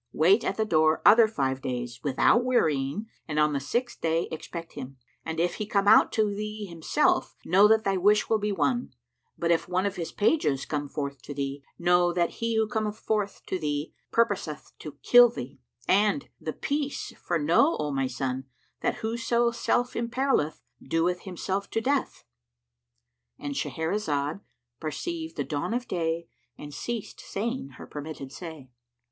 Wait at the door other five days, without wearying, and on the sixth day expect him; and if he come out to thee himself, know that thy wish will be won, but, if one of his pages come forth to thee, know that he who cometh forth to thee, purposeth to kill thee; and—the Peace![FN#110] For know, O my son, that whoso self imperilleth doeth himself to death;"—And Shahrazad perceived the dawn of day and ceased saying her permitted say.